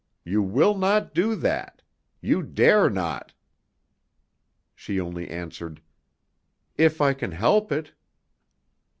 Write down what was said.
You will not do that! You dare not!" She only answered: "If I can help it."